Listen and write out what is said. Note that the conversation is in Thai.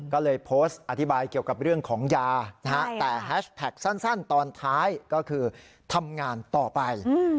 ก็เลยโพสต์อธิบายเกี่ยวกับเรื่องของยาแต่แฮชแท็กสั้นตอนท้ายก็คือทำงานต่อไป